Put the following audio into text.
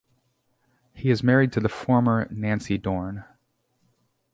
He is married to the former Nancy Dorn.